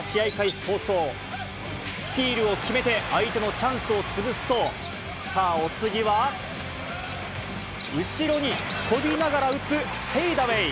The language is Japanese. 早々、スティールを決めて、相手のチャンスを潰すと、さあ、お次は後ろに飛びながら打つ、フェイダウェイ。